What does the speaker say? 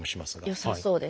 よさそうです。